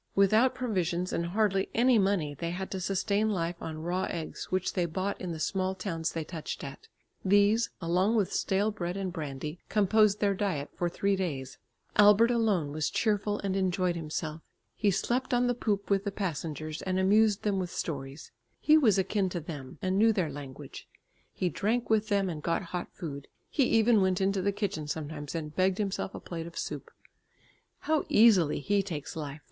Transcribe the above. Without provisions and hardly any money they had to sustain life on raw eggs which they bought in the small towns they touched at. These along with stale bread and brandy, composed their diet for three days. Albert alone was cheerful and enjoyed himself. He slept on the poop with the passengers and amused them with stories; he was akin to them, and knew their language. He drank with them and got hot food; he even went into the kitchen sometimes and begged himself a plate of soup. "How easily he takes life!"